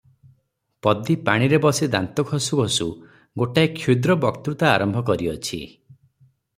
ପଦୀ ପାଣିରେ ବସି ଦାନ୍ତ ଘଷୁ ଘଷୁ ଗୋଟିଏ କ୍ଷୁଦ୍ର ବକ୍ତୃତା ଆରମ୍ଭ କରିଅଛି ।